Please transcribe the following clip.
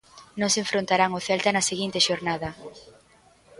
Non se enfrontarán o Celta na seguinte xornada.